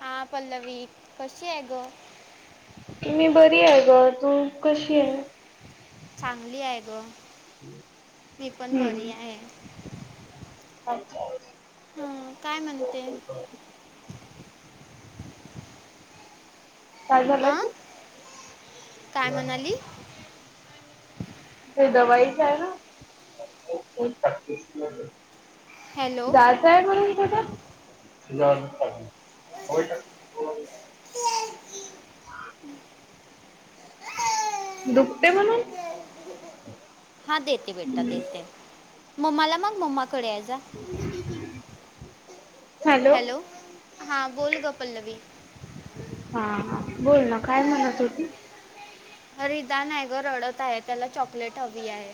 हा पल्लवी कशी आहे गं? मी बरी आहे गं, तू कशी आहे? चांगली आहे गं, मी पण बरी हम्म. आहे. अच्छा. हम्म, काय म्हणते? काय झालं आ की काय म्हणाली? हे दवाईचा आहे ना. हॅलो जात बॅग भरुन कुठं? दुखतेय म्हणून. हा देते बेटा देते, मम्माला माग मम्माकडे आहे जा. हॅलो, हा बोल ग पल्लवी. हा हा बोल ना काय म्हणत होती? रिदान आहे, ग रडत आहे, त्याला चॉकलेट हवी आहे.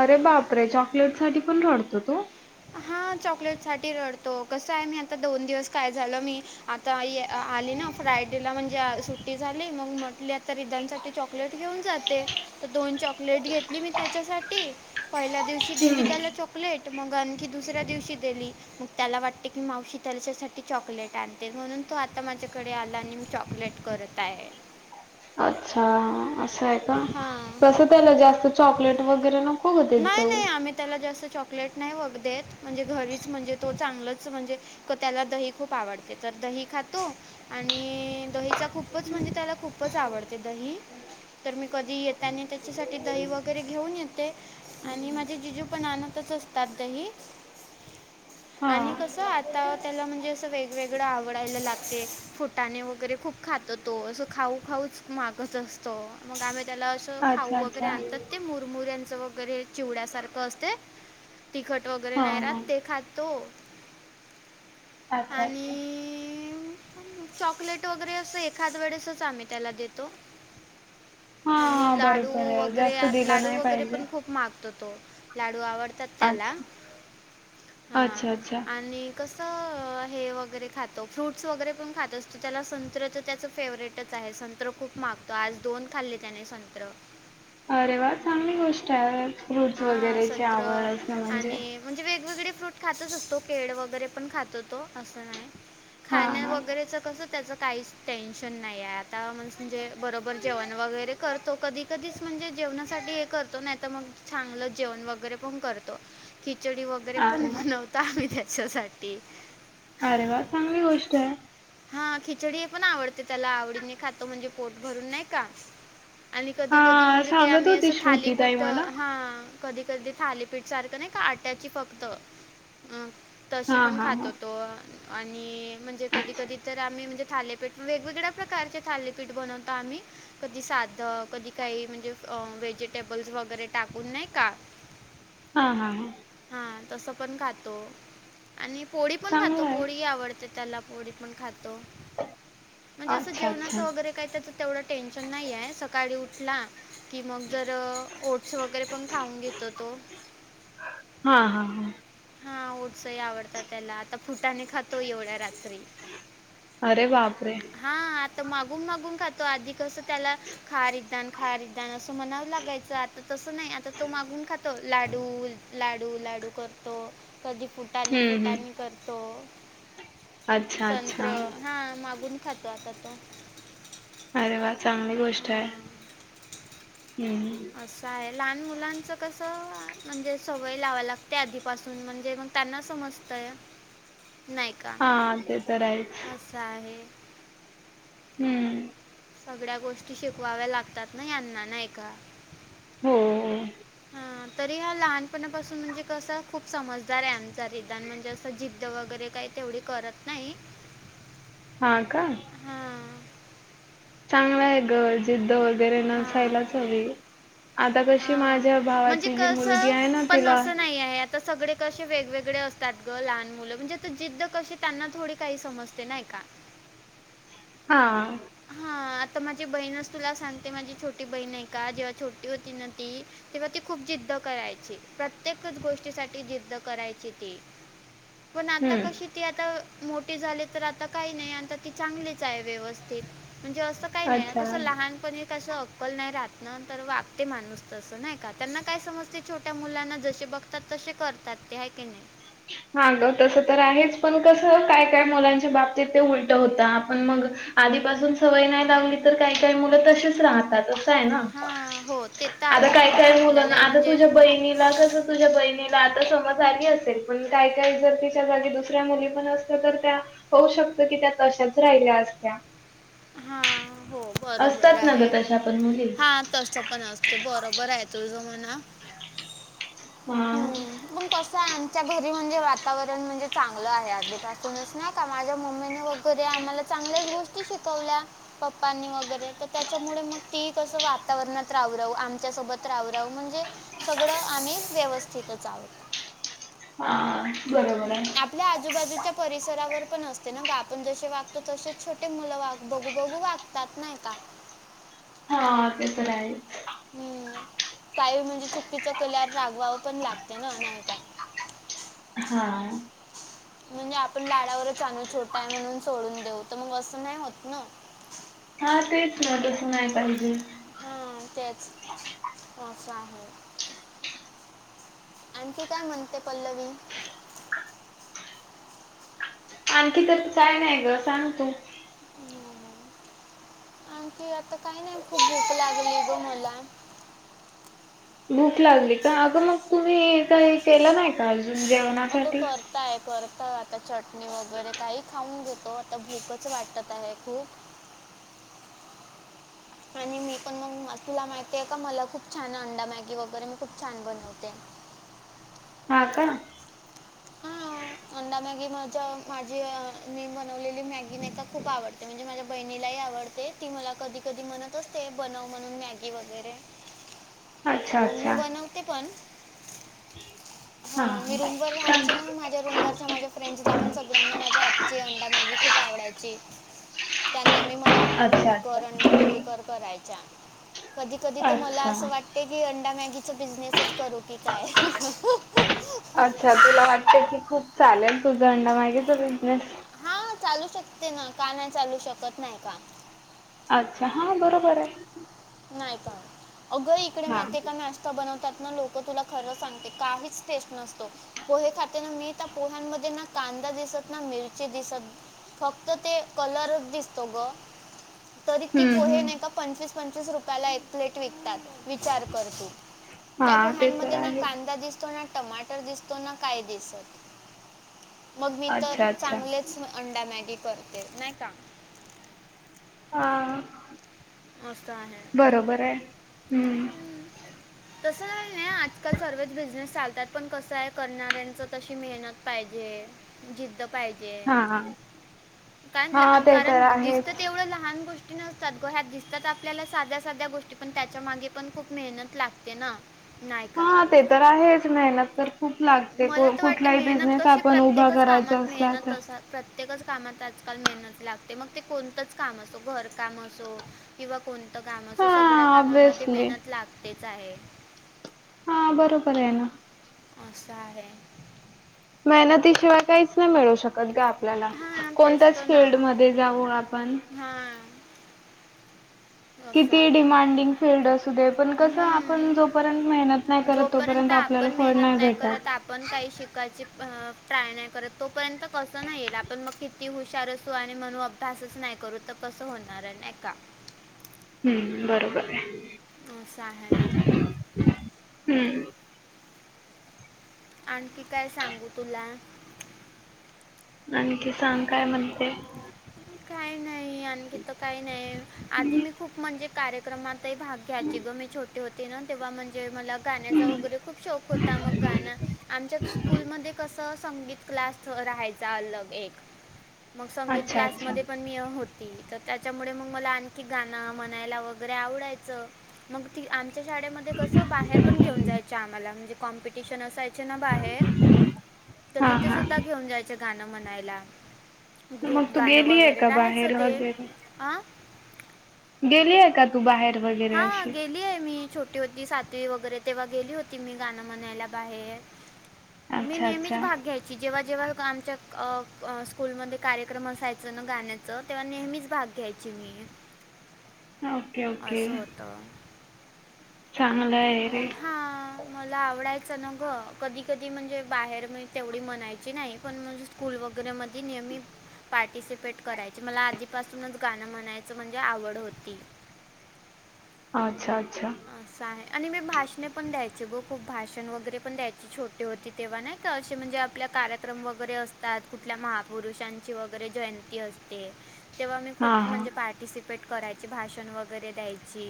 अरे बापरे! चॉकलेट साठी पण रडतो तो? हा चॉकलेटसाठी रडतो, कस आहे मी आता दोन दिवस काय झालं मी आता आई अ आली ना फ्रायडेला म्हणजे अ सुट्टी झाली, मंग म्हंटली आत तर रिदानसाठी चॉकलेट घेऊन जाते, तर दोन चॉकलेट घेतली मी त्याच्यासाठी पहिल्या दिवशी दिली हम्म. त्याला चॉकलेट, मंग आणखी दुसऱ्या दिवशी दिली मग त्याला वाटते की मावशी त्याच्यासाठी चॉकलेट आणते, म्हणून तो आता माझ्याकडे आला आणि म चॉकलेट करत काय ये? अच्छा! असं आहे का, हां. कसं त्याला जास्त चॉकलेट वगैरे नको ग देत नाही जाऊ. नाही, आम्ही त्याला जास्त चॉकलेट नाही वघ देत म्हणजे घरीच म्हणजे तो चांगलच म्हणजे त त्याला दही खूप आवडते, तर दही खातो आणि दहीचा खूपच म्हणजे त्याला खूपच आवडते दही. तर मी कधी येतानी त्याच्यासाठी दही वगैरे घेऊन येते. आणि माझे जिजू पण, आणतच असतात दही. हा आणि कस आता त्याला म्हणजे अस वेग वेगड आवडायला लागते, फुटाने वगैरे खूप खातो तो अस खाऊ खाऊच मागत असतो, मग आम्ही त्याला अ खाऊ अच्छा वगैरे अच्छा आणतात ते मुरमुऱ्यांच वगैरे चिवड्यासारख असते तिखट वगैरे हा नाही हा राहत ते खातो. अच्छा अच्छा. आणि, म चॉकलेट वगैरे असं एखाद वेडेसच आम्ही त्याला देतो. आणि हा लाडू बरोबर आहे वगैरे जास्त ह्यात दिलं लाडू नाही वगैरे पाहिजे पण खूप मागतो तो, लाडू आवडतात त्याला अच्छा. हा, अच्छा अच्छा. आणि कस हे वगैरे खातो, फ्रूट्स वगैरे पण खात असतो त्याला संत्र तर त्याच फेवरेटच आहे संत संत्र खूप मागतो आज दोन खाल्ले त्याने संत्र. अरे वा! चांगली गोष्ट आहे, फ्रूट्स हां, वगैरेची संत्र आवड असणे म्हणजे. आणि म्हणजे वेगवेगळे फ्रूट खातच असतो केळ वगैरे पण खातो तो, असं नाही हां खाण्या हां. वगैरेचं कस, त्याचं काहीच टेन्शन नाही आहे, आता मणस म्हणजे बरोबर जेवण वगैरे करतो कधी-कधीच म्हणजे जेवणासाठी हे कर तो नाही तर मग चांगलं जेवण वगैरे पण करतो, खिचडी वगैरे पण अरे वा! बनवतो आम्ही त्याच्यासाठी. अरे वा! चांगली गोष्ट आहे. हा खिचडी पण आवडते त्याला, आवडीने खातो म्हणजे पोट भरून नाही का आणि कधी-कधी हां म्हणजे ते सांगत आम्ही अस होती श्रुतीताई थालीपीठ अ, मला. हा कधी-कधी थालीपीठ सारखं नाही का, आट्याची फक्त तशी हां पण हां हां. खातो तो आणि म्हणजे कधी अच्छा. कधी तर आम्ही म्हणजे थालीपीठ वेगवेगळ्या प्रकारचे थालीपीठ बनवतो आम्ही कधी साध, कधी काही म्हणजे व्हेजिटेबल्स वगैरे टाकून नाही का? हा हा हा हा तस पण खातो आणि पोडी पण खातो, चांगलं आहे. पोडी ही आवडते त्याला पोडी पण खातो, म्हणजे अस अच्छा अच्छा. जेवणाच वगैरे काही त्याचं तेवढं टेन्शन नाही हाय, सकाळी उठला की मग जर, ओट्स वगैरे पण खाऊन घेतो तो हा हा हा. हा ओठसही आवडतात त्याला आता फुटाने खातो एवढ्या रात्री. अरे बापरे! हा आता मागून मागून खातो आधि कसं त्याला खा रिदान खा रिदान असं म्हणावं लागायचं आता तसं नाही आता तो मागून खातो. लाडू लाडू लाडू करतो. कधी फुटाने हं हं. फुटाने करतो? अच्छा! अच्छा! संत्र हां मागून खातो आता तो. अरे वा चांगली गोष्ट आहे हां हम्म. असं आहे लहान मुलांचं कसं म्हणजे सवय लावा लागत्या आधीपासून म्हणजे मग त्यांना समजत. [unintelligible] नाही हा ते तर आहेच. च आहे हम्म. सगळ्या गोष्टी शिकवाव्या लागतात ना यांना नाही का? हो. हां, तरी हा लहानपणापासून म्हणजे कसं खूप समजदार आहे आमचा रिदान म्हणजे असं जिद्द वगैरे काय? तेवढी करत नाही. हा का. हां, चांगला आहे ग जिद्द वगैरे हां, नसायलाच हवी. आता कशी हां. माझ्या म्हणजे भावाची जी मुलगी आहे ना तिला तर सगळे कसे वेगवेगळे असतात ग लहान मुलं म्हणजे त जिद्द कशी त्यांना थोडी काही समजते नाही का. हा. हा आता माझी बहीणच तुला सांगते माझी छोटी बहीण आहे का जेव्हा छोटी होती न ती. तेव्हा ती खूप जिद्द करायची प्रत्येकच गोष्टीसाठी जिद्द करायची ती. [inaudible] पण आता हम्म कशी ती आता मोठी झाली तर आता काही नाही आता ती चांगलीच आहे व्यवस स्थित म्हणजे असं काही नाही अच्छा कसं लहानपणी कस अक्कल नाही राहत ना तर वागते माणूस तसं नाही का त्यांना काय समजते छोट्या मुलांना जशी बघ आता तसे करतात ते आहे की नाही ह हां ग तसं तर आहेच पण कसं काय काय मुलांच्या बाबतीत ते उलट होत आपण मग आधीपासून सवय नाही लावली तर काही काही मुलं तसेच राहतात. हां हो ते तर आता आहेच काय म्हणा काय मुलांना आपल्यालाही आता म्हणजे तुझ्या बहिणीला कस तुझ्या बहिणीला आता समज आली अस पण काय काय जर तिच्या जागी दुसऱ्या मुली पण असत तर त्या होऊ शकत की त्या तशाच राहिल्या असत्या? हा हो बरोबर असतात ना ग आहे तशा पण मुली हा. तस पण असत बरोबर आहे तुझ म्हण. हम्म पण कसं आहे आमच्या घरी म्हणजे वातावरण म्हणजे, चांगलं आहे आधीपासूनच ना का माझ्या मम्मीने वगैरे आम्हाला चांगल्याच गोष्टी शिक वल्या पप्पांनी वगैरे तर त्याच्यामुळे मग ती तस वातावरणात राहु राहू आमच्यासोबत राहू राहू म्हणजे सगळं आम्हीच व्यवस्थितच आहोत. [unintelligible] हा बरोबर आहे.. ते आजूबाजूच्या परिसरावर पण असते ना ग, आपण जसे वागतो तसेच छोटे मुलं वागत बघू बघू वागतात नाही का? हा ते तर आहेच.. हम्म. काही म्हणजे चुकीचं केल्यावर रागवावं पण लागते ना, नाही का? हा.. म्हणजे आपण लाडावरच [unintelligible] छोटा आहे म्हणून सोडून देऊ तर मग असं नाही होत ना.. हा तेच ना तसं नाही पाहिजे.. ह तेचं, असं आहे.. आणखी काय म्हणते पल्लवी?? आणखी तर काय नाही ग, सांग तू? आणखी आता काही नाही खूप भूक लागली आहे ग मला.. भूक लागली काय? अगं मग तुम्ही काही केलं नाही का अजून जेवणासाठी? काय करत आता चटणी वगैरे काही खाऊन घेतो आता भूकच वाटत आहे खूप.. आणि मी पण मग म तुला माहितीे का मला खूप छान अंडा मॅगी वगैरे मी खूप छान बनवते.. हा का? हां अंडा मॅगी माझ्या माझी मी बनवलेली मॅगी नाही का खूप आवडते. ते म्हणजे माझ्या बहिणीलाही आवडते ती मला कधी कधी म्हणत असते बनव म्हणून मॅगी वगैरे अच्छा मी अच्छा बनवते पण.. [unintelligible] हा मी रूमवर सांग राहायचे ना माझ्या रूमवरच्या माझ्या फ्रेंड्स ना पण सगळ्यांना माझ्या हातची अंडा मॅगी खूप आवडायची, त्या नेहमी मला अंडा अच्छा मॅगी अच्छा कर, अंडा मॅगी कर करायच्या. कधी कधी तर मला असं अच्छा वाटते की अंडा मॅगीचा बिझनेसच करू की काय? अच्छा तुला वाटत कि खूप चालेल तुझं अंडा मॅगीचा बिझनेस? हा चालू शकते ना, का नाही चालू शकत नाही का? अच्छा हा बरोबर आहे.. नाही पण अगं इकडे हा माहित आहे का नाशिक मध्ये बनवतात ना लोक तुला खरं सांगते काहीच टेस्ट नसतो पोहे खाते ना मी त्या पोह्यांमध्ये ना कांदा दिसत ना मिरची दिसत फक्त ते कलरच दिसतो ग. तरी ती हम्म पोहे ना हम्म एका पंचवीस पंचवीस रुपयाला एक प्लेट विकतात.. विचार कर तू हा त्या ते तर पोह्यांमध्ये ना आहे. कांदा दिसतो ना टमाट दिसतो ना काय दिसत मग मी तर अच्छा अच्छा चांगलेच अंडा मॅगी करते नाही का?? हा.. आस आहे.. बरोबर आहे.. हम्म.. तसं काही नाही आजकाल सर्वच बिझनेस चालतात पण कसं आहे करणाऱ्यांच तशी मेहनत पाहिजे. जिद्द पाहिजे हा हा कारण ते तर कारण दिसत आहेच. ते एवढं लहान गोष्ट तात ग ह्या दिसतात आपल्या साध्या साध्या गोष्टी पण त्या त्याच्या मागे पण खूप मेहनत लागते ना.. नाही का हा ते तर आहेच मेहनत तर खूप लागते मला तर वाटते कुठलाही मेहनत बिझनेस कशी आपण उभा प्रत्येकच करायचा कामात असला मेहनत तर असा प्रत प्रत्येकच कामात आजकाल मेहनत लागते मग ते कोणतंच काम असो घरकाम असो, किंवा कोणतं काम हा असं सगळ्या कामामध्ये ऑब्विसली मेहनत लागतेच आहे. हा बरोबर आहे ना, आसा आहे. मेहनतीशिवाय काहीच नाही मिळू शकत ग, आपल्याला हां तेच तर कोणत्याच ना फिल्ड मध्ये जाऊ आपण, हां, असं किती आहे का? डिमांडिंग, फिल्ड असू दे पण कसं आपण हं. जोपर्यंत मेहनत नाही करत जोपर्यंत तोपर्यंत आपल्याला आपण फळ मेहनत नाही भेटत. करत, आपण काही शिकायची प्राय नाही करत तोपर्यंत कसं नाही येईल आपण मग, ती हुशार असू आणि म्हणू अभ्यासच नाही करू तर कसं होणार आहे नाही का, हम्म बरोबर आहे. आसा आहे. हम्म आणखी काय सांगू तुला? आणखी सांग काय म्हणते, काही नाही आणखी त काही नाही आधी मी खूप म्हणजे, कार्यक्रमातही भाग घ्यायचे गं मी छोटे होते ना तेव्हा म्हणजे मला, गाण्याचा वगैरे खूप शोक होता मग गाण आमच्या स्कूलमध्ये कसं, संगीत क्लास रहायचा अलग एक मग संगीत अच्छा क्लास, अच्छा. पण मी होती तर त्याच्यामुळे मग मला आणखी गाणं म्हणायला वगैरे आवडायचं. मग ती आमच्या शाळेमध्ये कसं बाहेर पण घेऊन जायचं आम्हाला म्हणजे, कॉम्पिटिशन असायचे ना बाहेर तर हा तिथे हा सुद्धा घेऊन जाय, गाणं म्हणायला मग ग्रुप तू गाणं गेली आहे वगैरे का राहायचं बाहेर ते वगैरे? अ, गेली आहे का तू बाहेर वगैरे हां अशी, गेली आहे मी छोटी होती सातवी वगैरे तेव्हा गेली होती मी गाणं म्हणायला बाहेर, मी अच्छा नेहमीच अच्छा भाग घ्याय, ची जेव्हा जेव्हा आमच्या स्कूलमध्ये कार्यक्रम असायच ना गाण्याचं तेव्हा नेहमीच भाग घ्याय. ची मी, हां, असं होतं. चांगलं य रे, मग हां मला आवडायचं ना गं कधी कधी म्हणजे बाहेर मी तेवढी म्हणायची नाही पण म, स्कूल वगैरेमध्ये नेहमी, पार्टिसिपेट करायचे मला आधीपासूनच गाणं म्हणायचं म्हणजे आवड होती. अच्छा अच्छा, असं आहे आणि मी भाषणे पण द्यायचे ब खूप भाषण वगैरे पण द्यायचे छोटे होती. तेव्हा नाही का असे म्हणजे आपले कार्यक्रम वगैरे असतात कुठल्या महापुरुषांची वगैरे जयंती अस, ते तेव्हा मी हा खूप हा. म्हणजे पार्टिसिपेट करायची भाषण वगैरे द्यायची.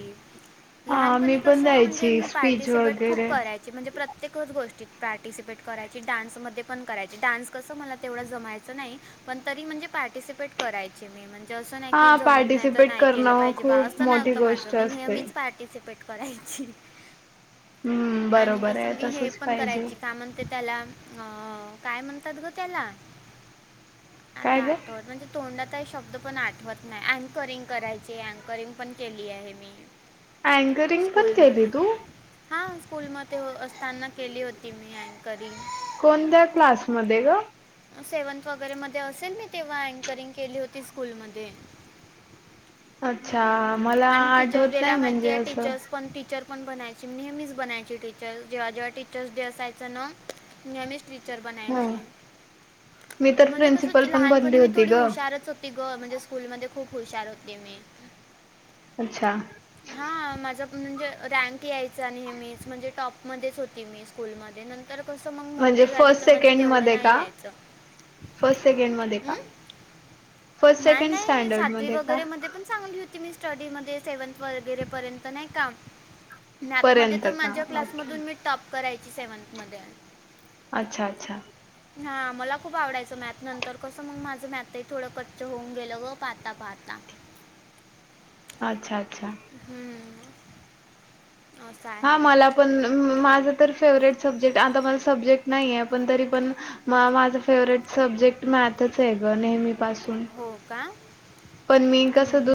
हा लहानपणी मी पण कसं म्हणजे द्यायची मी स्पीच पार्टिसिपेट खूप वगैरे. कराय. ची म्हणजे प्रत्येकच गोष्टी पार्टीसिपेट करायची डान्समध्ये पण करायची डान्स कसं मला तेवढं जमायच. तसं नाही पण तरी म्हणजे पार्टीसिपेट, कराय मी म्हणजे असं नाही की हा जमत नाही तर पार्टिसिपेट नाही केलं करणं पाहिजे बा खूप असं मोठी नव्हतं माझं गोष्ट मी असते. नेहमीच पा, पार्टिसिपेट करायची. हम्म आणि बरोबर कसं आहे मी हे तसच पण पाहिजे. करायची काय म्हणते त्याला, ह काय म्हणतात ग त्याला काय आता ग आठवत मंजे, तोंडात आहे शब्द पण आठवत नाही, अँकरिंग करायचे, अँकरिंग पण केली आहे मी. [unintelligible] केली स्कूलमध्ये तू हा स्कूलमध्ये असताना केली होती मी अँकरिंग. कोणत्या क्लासमध्ये गं? सेव्हन्थ वगैरे मध्ये असेल मी तेव्हा अँकरिंग केली होती स्कूलमध्ये. अच्छा! मला आणि टीचर्स आठवत नाही डेला माहिती म्हणजे आहे असं टीचर्स पण टीचर पण बनायची नेहमीच बनायची टीचर जेव्हा जेव्हा टीचर्स डे असायचं न. नेहमीच टीचर ह बनायची. मी तर म्हणजे प्रिन्सिपल कसं पण बनली लहानपणी मी होती थोडी ग हुशारच होती ग, म्हणजे स्कूलमध्ये खुप हुशार होती मी. अच्छा! माझ म्हणजे रँक यायचा नेहमीच म्हणजे टॉपमध्येच होती मी स्कूलमध्ये नंतर तर कसं मग म्हणजे मोठी झाले फर्स्ट तर म्हणजे तेवढं नाही यायचं. फस्ट सेकंड मध्ये का? हं? फर्स्ट नाही सेकंड नाही स्टँडर्ड सातवी मध्ये का वगैरे मध्ये पण चांगली होती मी. स्टडीमध्ये सेवेंथ वगैरे पर्यंत नाही का? मॅथमध्ये पर्यंत तर का माझ्या ओके क्लासमधून मी टॉप करायची सेव्हन्थमध्ये. अच्छा! अच्छा! हा मला खूप आवडायचं मॅथ नंतर कसं मग माझं मॅथही थोडं क जे होऊन गेल ग पहाता पहाता. अच्छा! अच्छा! हम्म. असं हा आहे मला पण माझ तर फेवर्हेट सब्जेक्ट आता मला सब्जेक्ट नाही आहे पण तरी पण मग माझं फेवरेट सब्जेक्ट मॅथच आहे ग नेहमीपसून. हो का हम्म, पण मी कस हम्म.